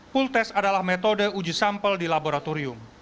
pultes adalah metode uji sampel di laboratorium